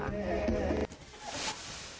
กันเลยตา